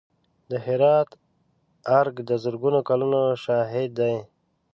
د هرات ارګ د زرګونو کلونو شاهد دی.